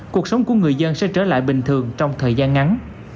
cuộc sống của người dân sẽ trở lại bình thường trong thời gian ngắn